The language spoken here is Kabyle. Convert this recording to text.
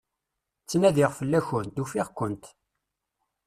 Ttnadiɣ fell-akent, ufiɣ-kent.